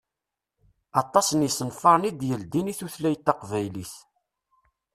Aṭas n isenfaṛen i d-yeldin i tutlayt taqbaylit.